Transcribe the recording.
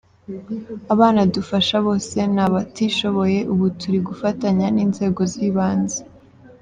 Abana dufasha bose ni abatishoboye, ubu turi gufatanya n’inzego z’ibanze.